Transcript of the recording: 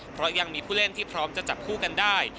เพราะยังมีผู้เล่นที่พร้อมจะจับคู่กันได้